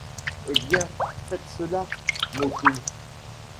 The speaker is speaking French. Eh bien, faites cela, Mokoum !